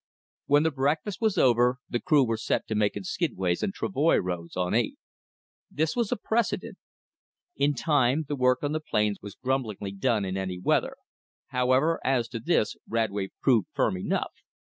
When the breakfast was over the crew were set to making skidways and travoy roads on eight. This was a precedent. In time the work on the plains was grumblingly done in any weather. However, as to this Radway proved firm enough.